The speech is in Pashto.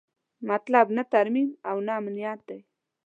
مطلب نه ترمیم او نه امنیت دی.